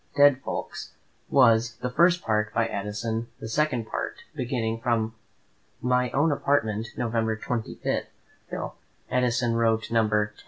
"Dead Folks," was, the first part, by Addison; the second part, beginning "From my own Apartment, November 25," by Steele; Addison wrote No. X.